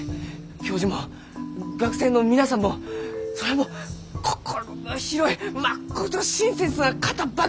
教授も学生の皆さんもそりゃもう心の広いまっこと親切な方ばっかりで！